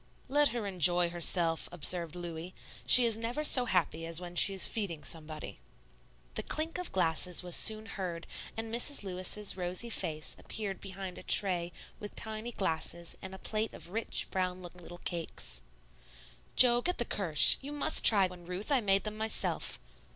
"Let her enjoy herself," observed Louis; "she is never so happy as when she is feeding somebody." The clink of glasses was soon heard, and Mrs. Lewis's rosy face appeared behind a tray with tiny glasses and a plate of rich, brown looking little cakes. "Jo, get the Kirsch. You must try one, Ruth; I made them myself."